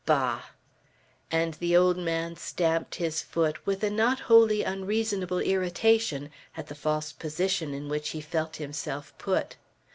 Bah!" And the old man stamped his foot with a not wholly unreasonable irritation, at the false position in which he felt himself put.